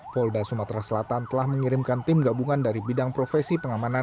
polda sumatera selatan telah mengirimkan tim gabungan dari bidang profesi pengamanan